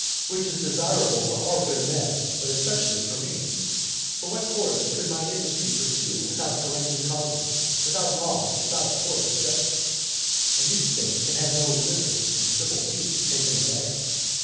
which is desirable for all good men, but especially for me. For what course could my industry pursue without forensic causes, without laws, without courts of justice? and these things can have no existence when civil peace is taken away.